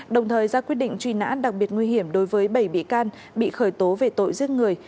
đồng thời ra quyết định truy nã đặc biệt nguy hiểm đối với bảy bị can bị khởi tố về tội giết người